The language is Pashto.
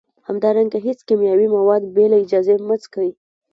همدارنګه هیڅکله کیمیاوي مواد بې له اجازې مه څکئ